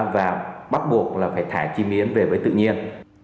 và bắt buộc là phải thải chim yến về với tự nhiên